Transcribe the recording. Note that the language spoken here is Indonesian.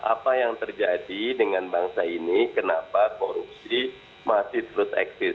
apa yang terjadi dengan bangsa ini kenapa korupsi masih terus eksis